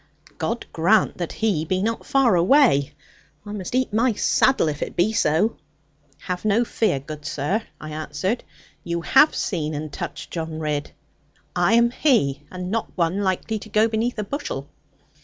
God grant that he be not far away; I must eat my saddle, if it be so.' 'Have no fear, good sir,' I answered; 'you have seen and touched John Ridd. I am he, and not one likely to go beneath a bushel.'